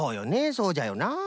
そうじゃよな。